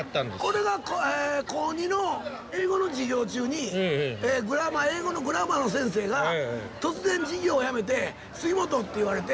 俺が高２の英語の授業中にグラマー英語のグラマーの先生が突然授業をやめて「杉本」って言われて。